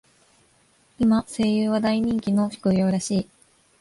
今、声優は大人気の職業らしい。